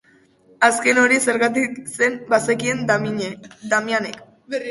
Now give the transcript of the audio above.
Azken hori zergatik zen bazekien Damianek.